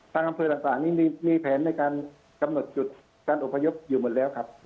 อำเภอต่างนี่มีแผนในการกำหนดจุดการอพยพอยู่หมดแล้วครับ